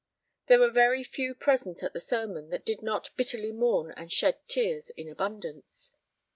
There were very few present at the sermon that did not bitterly mourn and shed tears in abundance.